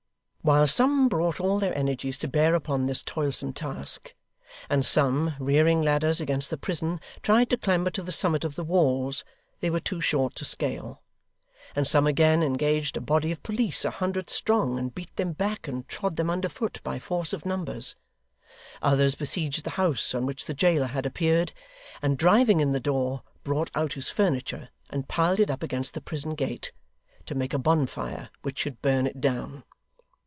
While some brought all their energies to bear upon this toilsome task; and some, rearing ladders against the prison, tried to clamber to the summit of the walls they were too short to scale; and some again engaged a body of police a hundred strong, and beat them back and trod them under foot by force of numbers; others besieged the house on which the jailer had appeared, and driving in the door, brought out his furniture, and piled it up against the prison gate, to make a bonfire which should burn it down.